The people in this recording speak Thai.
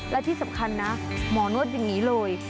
และที่สำคัญนะหมอนวดอย่างนี้เลย